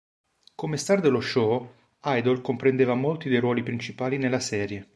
Come star dello show, Idle comprendeva molti dei ruoli principali nella serie.